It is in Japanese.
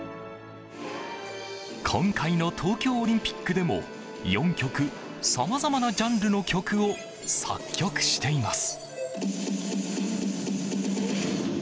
今回の東京オリンピックでも４曲さまざまなジャンルの曲を作曲しています。